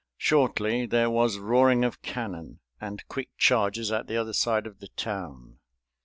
Shortly there was roaring of cannon and quick charges at the other side of the town.